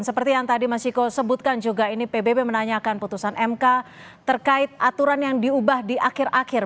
seperti yang tadi mas ciko sebutkan juga ini pbb menanyakan putusan mk terkait aturan yang diubah di akhir akhir